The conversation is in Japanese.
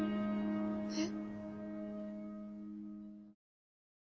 えっ？